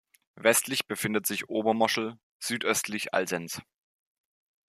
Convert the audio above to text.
Westlich befindet sich Obermoschel, südöstlich Alsenz.